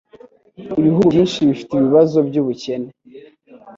Ibihugu byinshi bifite ibibazo byubukene.